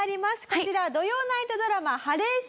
こちら土曜ナイトドラマ『ハレーションラブ』。